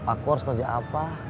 aku harus kerja apa